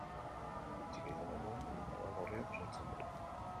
Bitxikeria moduan, ilunabar gorriak sortzen du.